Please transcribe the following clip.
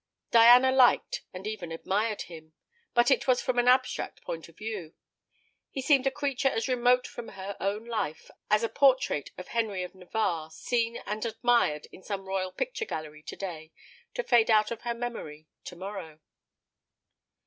Diana liked, and even admired him, but it was from an abstract point of view. He seemed a creature as remote from her own life as a portrait of Henry of Navarre, seen and admired in some royal picture gallery to day, to fade out of her memory to morrow.